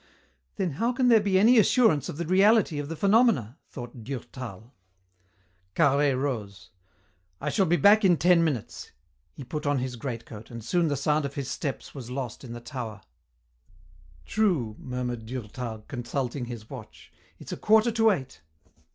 "Then how can there be any assurance of the reality of the phenomena?" thought Durtal. Carhaix rose. "I shall be back in ten minutes." He put on his greatcoat, and soon the sound of his steps was lost in the tower. "True," murmured Durtal, consulting his watch. "It's a quarter to eight."